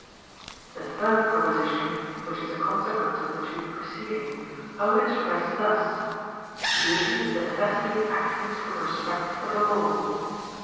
The third proposition, which is a consequence of the two preceding, I would express thus: Duty is the necessity of acting from respect for the law.